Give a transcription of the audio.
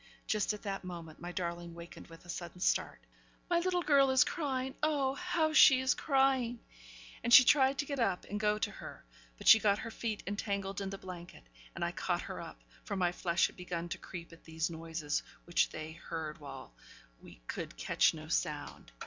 Just at that moment my darling wakened with a sudden start: 'My little girl is crying, oh, how she is crying!' and she tried to get up and go to her, but she got her feet entangled in the blanket, and I caught her up; for my flesh had begun to creep at these noises, which they heard while we could catch no sound.